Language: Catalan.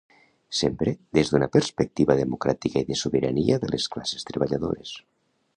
Sempre des d'una perspectiva democràtica i de sobirania de les classes treballadores.